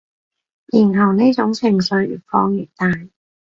然後呢種情緒越放越大